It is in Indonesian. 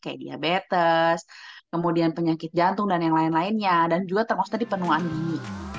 kayak diabetes kemudian penyakit jantung dan yang lain lainnya dan juga termasuk tadi penuaan dini